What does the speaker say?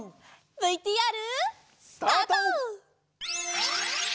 ＶＴＲ。スタート！